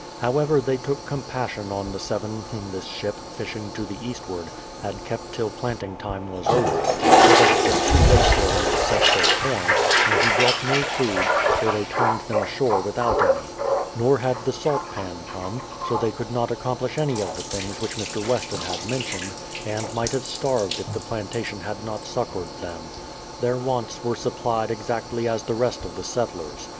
However, they took com passion on the seven whom this ship, fishing to the eastward, had kept till planting time was over, so that it was too late for them to set their corn, and who brought no food, for they turned them ashore without any. Nor had the salt pan come; so they could not accomplish any of the things which Mr. Weston had mentioned, and might have starved if the plantation had not succoured them. Their wants were supplied exactly as the rest of the settlers'.